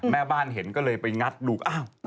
แม่บ้านเห็นก็เลยไปงัดดูอ้าว